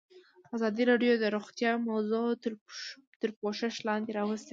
ازادي راډیو د روغتیا موضوع تر پوښښ لاندې راوستې.